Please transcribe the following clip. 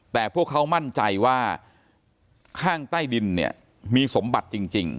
แต่พวกเขามั่นใจว่าข้างใต้ดินเนี่ยมีสมบัติจริง